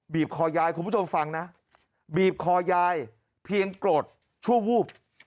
คอยายคุณผู้ชมฟังนะบีบคอยายเพียงโกรธชั่ววูบ